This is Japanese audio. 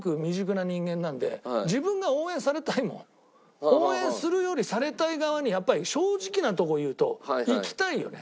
やっぱり。応援するよりされたい側にやっぱり正直なとこ言うといきたいよね。